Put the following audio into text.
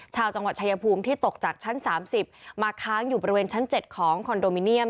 ชาวจังหวัดชายภูมิที่ตกจากชั้น๓๐มาค้างอยู่บริเวณชั้น๗ของคอนโดมิเนียม